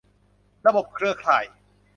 ระบบเครือข่าย